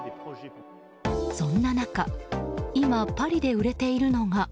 そんな中今、パリで売れているのが。